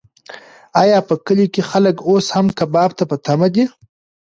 ایا په کلي کې خلک اوس هم کباب ته په تمه دي؟